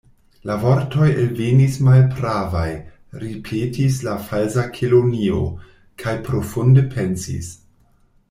"La vortoj elvenis malpravaj," ripetis la Falsa Kelonio, kaj profunde pensis.